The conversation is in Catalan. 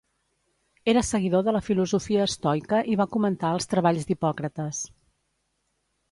Era seguidor de la filosofia estoica i va comentar els treballs d'Hipòcrates.